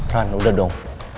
ran udah dong